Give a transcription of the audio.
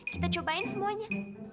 kita cobain semuanya